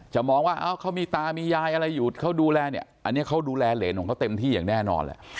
มองว่าเขามีตามียายอะไรอยู่เขาดูแลเนี่ยอันนี้เขาดูแลเหรนของเขาเต็มที่อย่างแน่นอนแหละ